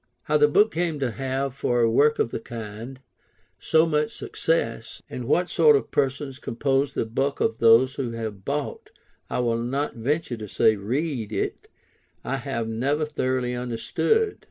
How the book came to have, for a work of the kind, so much success, and what sort of persons compose the bulk of those who have bought, I will not venture to say read, it, I have never thoroughly understood.